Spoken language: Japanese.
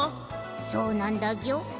そうなんだギョ。